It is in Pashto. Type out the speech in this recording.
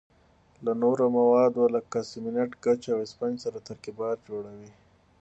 له نورو موادو لکه سمنټ، ګچ او اسفنج سره ترکیبات جوړوي.